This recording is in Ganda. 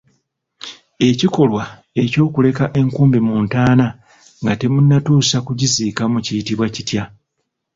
Ekikolwa eky'okuleka enkumbi mu ntaana nga temunnatuusa kugiziikamu kiyitibwa kitya?